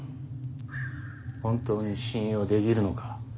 本当に信用できるのか？